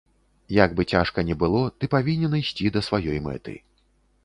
Як бы цяжка не было, ты павінен ісці да сваёй мэты.